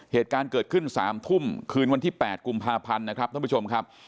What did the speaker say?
เหตุการณ์เกิดขึ้น๓ทุ่มคืนวันที่๘กุมภาพันธ์นะครับท่านผู้ชมครับ